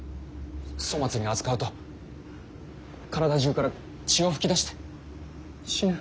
粗末に扱うと体中から血を噴き出して死ぬ。